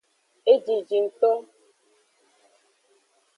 Ejiji ngto.